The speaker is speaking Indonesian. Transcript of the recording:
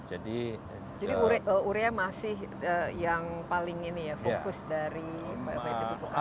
jadi urea masih yang paling fokus dari btp pupuk kalti